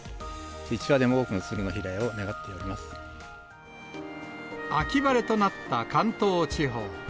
１羽でも多くのツルの飛来を秋晴れとなった関東地方。